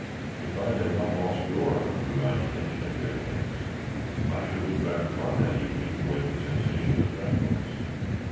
If I had not lost Dora through my detention at their hands I should look back upon that evening with sensations of thankfulness.